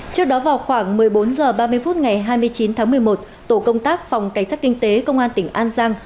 trước đó vào khoảng một mươi bốn h ba mươi phút ngày hai mươi chín tháng một mươi một tổ công tác phòng cảnh sát kinh tế công an tỉnh an giang